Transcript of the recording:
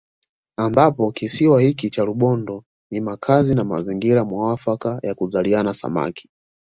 Ambapo kisiwa hiki cha Rubondo ni makazi na mazingira muafaka ya kuzaliana Samaki